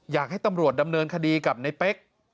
อยากให้ตำรวจดำเนินคดีกับในเป๊ก